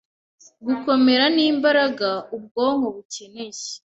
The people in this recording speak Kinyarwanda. gukomera n’imbaraga ubwonko bukeneye,